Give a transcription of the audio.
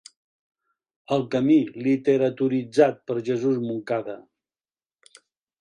El camí literaturitzat per Jesús Moncada.